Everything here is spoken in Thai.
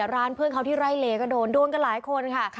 ร้านเพื่อนเขาที่ไล่เลก็โดนโดนกันหลายคนค่ะ